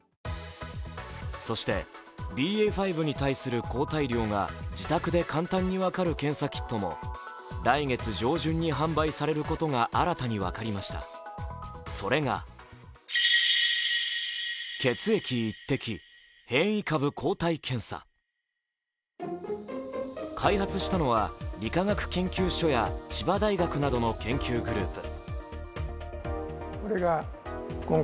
そして、ＢＡ．５に対する抗体量が自宅で簡単に分かる検査キットも来月上旬に販売されることが新たに分かりました、それが開発したのは理化学研究所や千葉大学などの研究グループ。